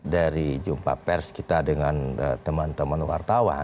dari jumpa pers kita dengan teman teman wartawan